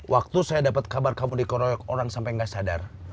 waktu saya dapat kabar kamu dikeroyok orang sampai gak sadar